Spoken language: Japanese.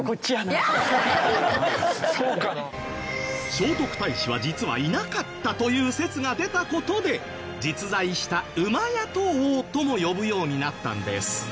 聖徳太子は実はいなかったという説が出た事で実在した厩戸王とも呼ぶようになったんです。